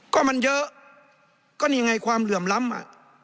ก็มันเยอะก็นี่ไงความเหลื่อมล้ำอ่ะ